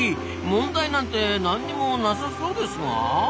問題なんて何もなさそうですが？